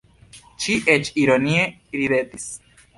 Ŝi eĉ ironie ridetis.